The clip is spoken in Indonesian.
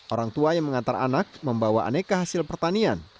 orang tua yang mengantar anak membawa aneka hasil pertanian